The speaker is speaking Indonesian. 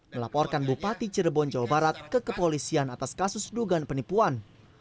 melaporkan bupati cirebon jawa barat ke kepolisian atas kasus dugaan penipuan